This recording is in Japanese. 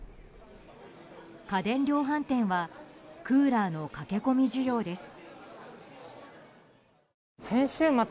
家電量販店はクーラーの駆け込み需要です。